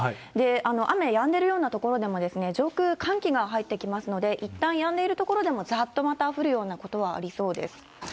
雨、やんでるような所でも上空、寒気が入ってきますので、いったんやんでいる所でも、ざーっとまた降るようなことはありそうです。